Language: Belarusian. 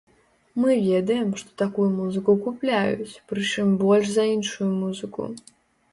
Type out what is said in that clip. Мы ведаем, што такую музыку купляюць, прычым больш за іншую музыку.